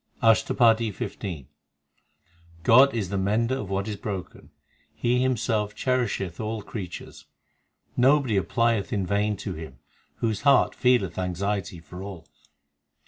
ASHTAPADI XV i God is the mender of what is broken ; He Himself cherisheth all creatures. Nobody applieth in vain to Him Whose heart feeleth anxiety for all.